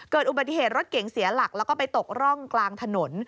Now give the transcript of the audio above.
เกิดอุบัติเหตุรถเก๋งเสียหลักแล้วก็ไปตกร่องกลางถนน